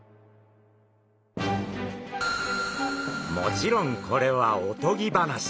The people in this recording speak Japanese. もちろんこれはおとぎ話。